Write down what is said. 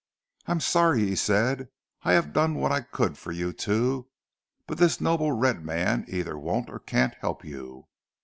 "I'm sorry," he said, "I have done what I could for you two, but this noble red man either won't or can't help you.